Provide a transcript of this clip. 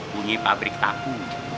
bungi pabrik taku